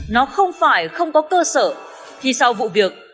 nó không phải không có cơ sở thì sau vụ việc